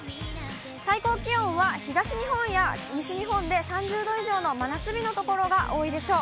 最高気温は東日本や西日本で３０度以上の真夏日の所が多いでしょう。